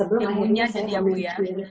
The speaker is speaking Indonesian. ilmunya jadi yang mulia